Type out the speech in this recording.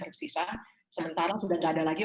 tersisa sementara sudah tidak ada lagi